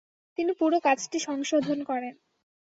তিনি পুরো কাজটি সংশোধন করেন।